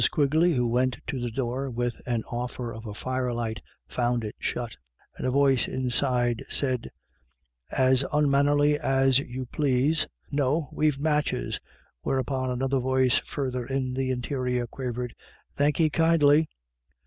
Quigley, who went to »the door with the offer of a fire light, found it shut, and a voice inside said, "as onmannerly as you COMING AND GOING. 287 plase, ' No, we've matches/ " whereupon another voice, further in the interior, quavered, " Thank'ee kindly.'